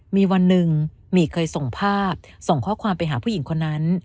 มีวันหนึ่งหมี่เคยส่งภาพส่งข้อความไปหาผู้หญิงคนนั้น